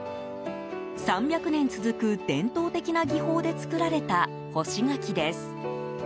３００年続く伝統的な技法で作られた干し柿です。